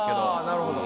なるほど。